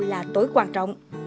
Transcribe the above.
là tối quan trọng